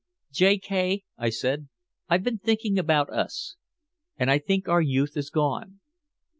"J. K.," I said, "I've been thinking about us. And I think our youth is gone."